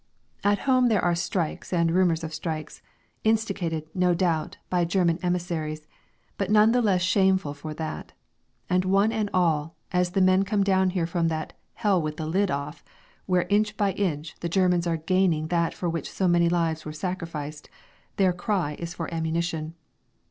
_ At home there are strikes and rumours of strikes, instigated, no doubt, by German emissaries, but none the less shameful for that; and one and all, as the men come down from that "hell with the lid off," where, inch by inch, the Germans are regaining that for which so many lives were sacrificed, their cry is for ammunition.